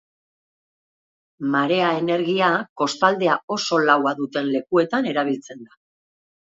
Marea-energia kostaldea oso laua duten lekuetan erabiltzen da.